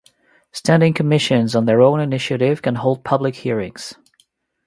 Standing commissions on their own initiative can hold public hearings.